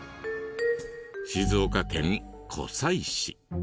静岡県湖西市。